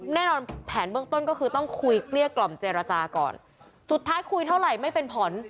แน่นอนแผนเบื้องต้นก็คือต้องคุยเกลี้ยกล่อมเจรจาก่อนสุดท้ายคุยเท่าไหร่ไม่เป็นผล